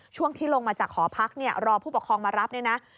ช่วงที่ลงมาจากหอพักรอผู้ปกครองมารับ